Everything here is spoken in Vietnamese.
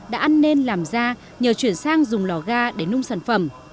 đã ăn nên làm ra nhờ chuyển sang dùng lò ga để nung sản phẩm